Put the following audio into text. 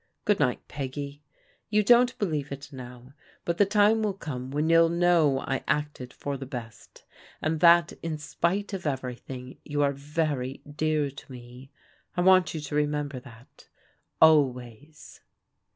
Good night, Peggy. You don't believe it now, but the time will come when you'll know I acted for the best, and that in spite of ever3rthing, you are very dear to me. I want you to remember that — always.